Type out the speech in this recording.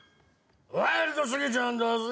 ワイルドスギちゃんだぜ！